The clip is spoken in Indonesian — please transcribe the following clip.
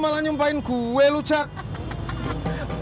lu malah nyumpain gue lu cak